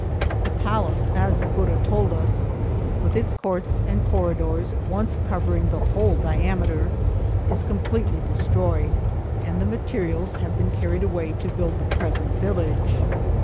The palace, as the cura told us, with its courts and corridors, once covering the whole diameter, is completely destroyed, and the materials have been carried away to build the present village.